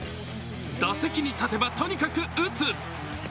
打席に立てばとにかく打つ。